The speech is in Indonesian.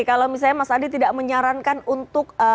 kalau misalnya mas andi tidak menyarankan untuk